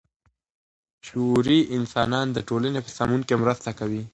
شعوري انسانان د ټولني په سمون کي مرسته کوي.